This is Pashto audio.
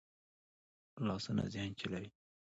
لاسونه ذهن چلوي